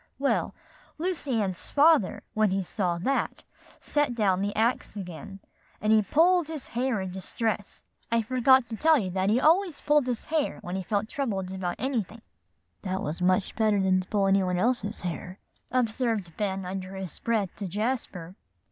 "Well, Lucy Ann's father, when he saw that, set down the axe again, and he pulled his hair in distress. I forgot to tell you that he always pulled his hair when he felt troubled about anything" "That was much better than to pull any one else's hair," observed Ben under his breath to Jasper.